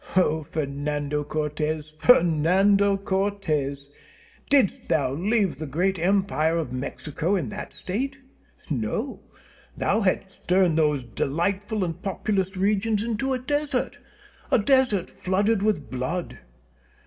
O Fernando Cortez, Fernando Cortez! didst thou leave the great empire of Mexico in that state? No, thou hadst turned those delightful and populous regions into a desert a desert flooded with blood.